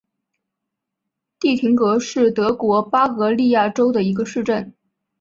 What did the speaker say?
蒂廷格是德国巴伐利亚州的一个市镇。